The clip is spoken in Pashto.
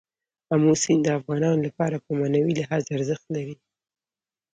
آمو سیند د افغانانو لپاره په معنوي لحاظ ارزښت لري.